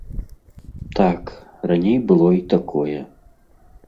Так, раней было і такое.